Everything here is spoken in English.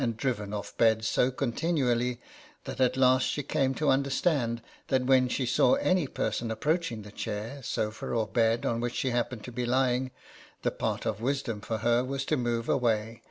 19 driven off beds so continually, that at last she came to understand that when she saw any person approaching the chair, sofa, or bed on which she happened to be lying, the part of wisdom for her was to move away.